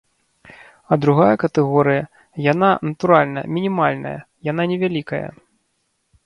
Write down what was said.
А другая катэгорыя, яна, натуральна, мінімальная, яна невялікая.